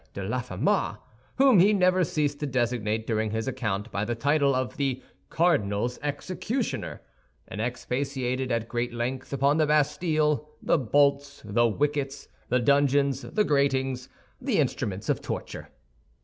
de Laffemas, whom he never ceased to designate, during his account, by the title of the "cardinal's executioner," and expatiated at great length upon the Bastille, the bolts, the wickets, the dungeons, the gratings, the instruments of torture.